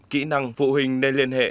kỹ năng phụ huynh nên liên hệ